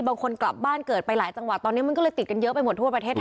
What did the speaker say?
บางคนกลับบ้านเกิดไปหลายจังหวัดตอนนี้มันก็เลยติดกันเยอะไปหมดทั่วประเทศไทย